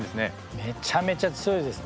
めちゃめちゃ強いですね。